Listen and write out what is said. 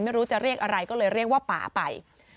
ไม่รู้จะเรียกอะไรก็เลยเรียกว่าป่าไป